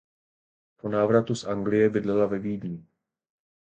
Po návratu z Anglie bydlela ve Vídni.